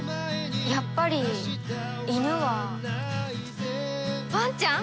やっぱりイヌはワンちゃん？